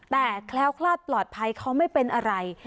แต่แคล้วคลาดปลอดภัยเขาไม่เป็นอะไร